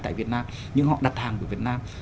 tại việt nam nhưng họ đặt hàng của việt nam